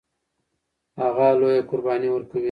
هغه لویه قرباني ورکوي.